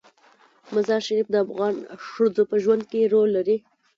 مزارشریف د افغان ښځو په ژوند کې رول لري.